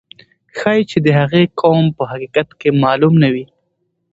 ښایي چې د هغې قوم په حقیقت کې معلوم نه وي.